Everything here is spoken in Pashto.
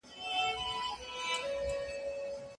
د پېښو سپړل اسانه کار نه دی.